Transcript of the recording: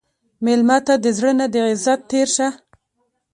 مېلمه ته د زړه نه د عزت تېر شه.